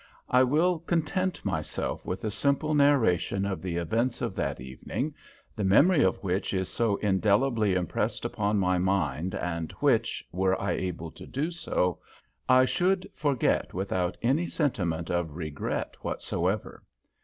I will content myself with a simple narration of the events of that evening, the memory of which is so indelibly impressed upon my mind, and which, were I able to do so, I should forget without any sentiments of regret whatsoever.